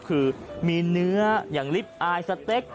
คือมีเนื้ออย่างลิฟต์อายสเต็ก